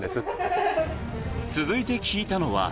続いて聞いたのは。